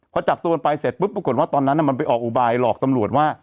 พอจับตัวมันไปเสร็จปุ๊บปรากฏว่าตอนนั้นมันไปออกอุบายหลอกตำรวจว่า